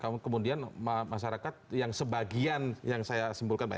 karena kemudian masyarakat yang sebagian yang saya simpulkan pak